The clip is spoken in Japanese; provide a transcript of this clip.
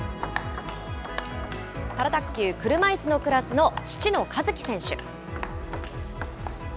パラ卓球車いすのクラスの七野一輝選手。